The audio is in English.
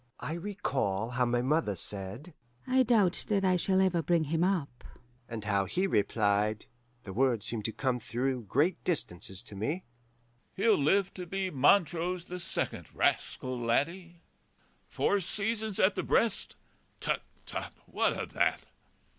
I recall how my mother said, 'I doubt that I shall ever bring him up,' and how he replied (the words seem to come through great distances to me), 'He'll live to be Montrose the second, rascal laddie! Four seasons at the breast? Tut, tut! what o' that?